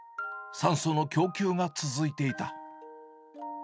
酸素の供給が続いていた。